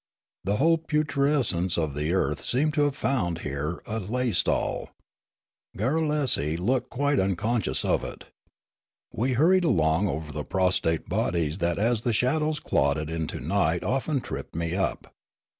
The whole putrescence of the earth seemed to have found here a laj' stall. Garrulesi looked quite unconscious of it. Tirralaria 141 We hurried along over prostrate bodies that as the shadows clotted into night often tripped me up.